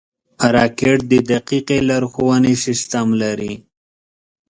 راکټ د دقیقې لارښونې سیسټم لري